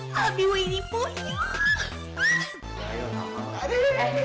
habibu ini punyuk